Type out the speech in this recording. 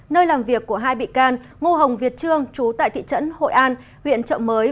nơi làm việc của hai bị can ngô hồng việt trương chú tại thị trấn hội an huyện trợ mới